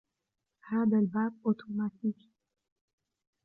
هذا الباب أوتوماتيكي.